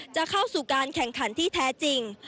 จะเข้าสู่การแข่งขันที่แท้จริง